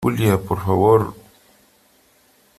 Julia , por favor .